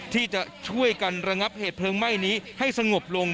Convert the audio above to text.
ที่จะช่วยกันระงับเหตุเพลิงไหม้นี้ให้สงบลง